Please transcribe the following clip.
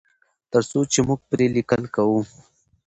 تر څو چې موږ پرې لیکل کوو.